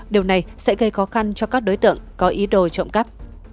điều này sẽ gây khó khăn cho các đối tượng có ý đồ trộm cắp